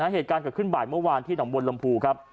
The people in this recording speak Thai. เหตุการณ์เกิดขึ้นบ่ายเมื่อวานที่หนองบนลำพูครับ